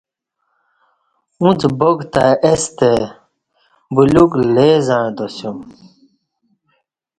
اُݩڅ باک تہ اہ ستہ بلیوک لئ زعں تاسیوم